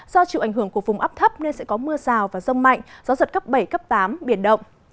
do chịu ảnh hưởng của vùng áp thấp nên sẽ có mưa rào và rông mạnh gió giật cấp bảy cấp tám biển động